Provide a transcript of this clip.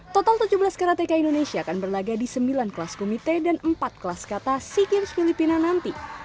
total tujuh belas karateka indonesia akan berlaga di sembilan kelas komite dan empat kelas kata sea games filipina nanti